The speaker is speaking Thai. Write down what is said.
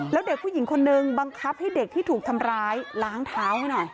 แล้วเด็กผู้หญิงคนนึงบังคับให้เด็กที่ถูกทำร้ายล้างเท้าให้หน่อย